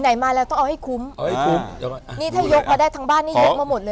มาแล้วต้องเอาให้คุ้มเอ้ยคุ้มนี่ถ้ายกมาได้ทั้งบ้านนี่ยกมาหมดเลย